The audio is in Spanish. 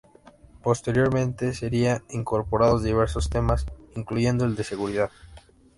Posteriormente sería incorporados diversos temas, incluyendo el de seguridad.